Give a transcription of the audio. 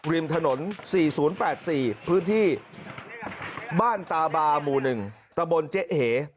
ริมถนน๔๐๘๔พื้นที่บ้านตาบาหมู่๑ตะบนเจ๊เห